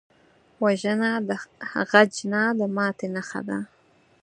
وژنه د غچ نه، د ماتې نښه ده